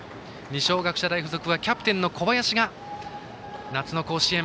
二松学舎大付属はキャプテンの小林が夏の甲子園。